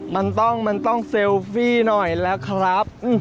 มันต้องมันต้องเซลฟี่หน่อยแล้วครับ